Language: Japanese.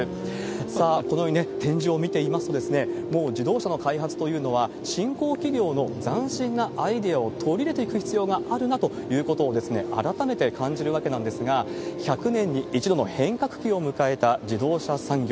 さあ、このように展示を見ていますと、もう自動車の開発というのは新興企業の斬新なアイデアを取り入れていく必要があるなということを改めて感じるわけなんですが、１００年に１度の変革期を迎えた自動車産業。